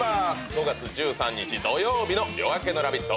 ５月１３日土曜日の「夜明けのラヴィット！」